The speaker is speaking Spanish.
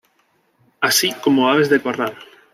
Así como aves de corral.